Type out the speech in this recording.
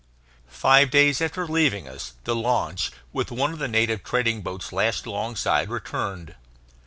Five days after leaving us, the launch, with one of the native trading boats lashed alongside, returned.